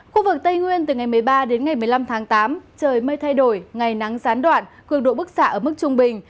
khu vực tây nguyên từ ngày một mươi ba đến ngày một mươi năm tháng tám trời mây thay đổi ngày nắng gián đoạn cường độ bức xạ ở mức trung bình